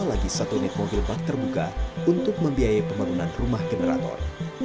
apalagi satu netmobil bak terbuka untuk membiayai pemerunan rumah generator